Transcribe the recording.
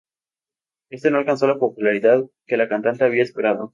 Éste no alcanzó la popularidad que la cantante había esperado.